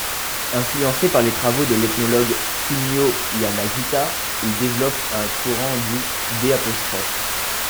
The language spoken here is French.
Influencé par les travaux de l'ethnologue Kunio Yanagita, il développe un courant dit d'.